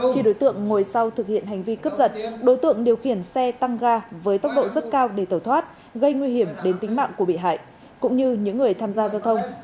khi đối tượng ngồi sau thực hiện hành vi cướp giật đối tượng điều khiển xe tăng ga với tốc độ rất cao để tẩu thoát gây nguy hiểm đến tính mạng của bị hại cũng như những người tham gia giao thông